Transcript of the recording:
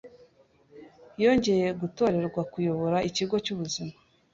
yongeye gutorerwa kuyobora ikigo cy ubuzima